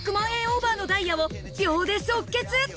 オーバーのダイヤを秒で即決！